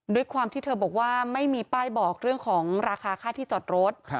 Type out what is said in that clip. ด้วยความที่เธอบอกว่าไม่มีป้ายบอกเรื่องของราคาค่าที่จอดรถ